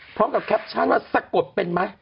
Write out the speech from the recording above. พร้อมกับแคปชั่นว่าสะกดเป็นไหม